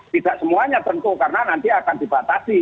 tidak semuanya tentu karena nanti akan dibatasi